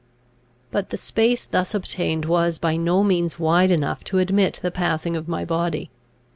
But the space thus obtained was by no means wide enough to admit the passing of my body.